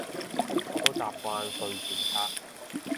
我都習慣睡前刷